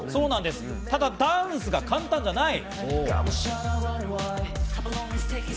ただダンスが簡単じゃない。